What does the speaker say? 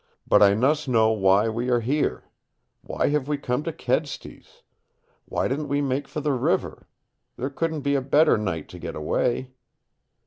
But I must know why we are here. Why have we come to Kedsty's? Why didn't we make for the river? There couldn't be a better night to get away."